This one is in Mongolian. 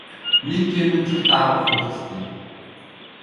Нэг гэм нь тэр дагавар хүүхэдтэй.